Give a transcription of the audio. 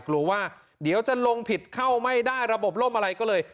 กลัวว่าเดี๋ยวจะลงผิดเข้าไม่ได้ระบบล่มอะไรก็เลย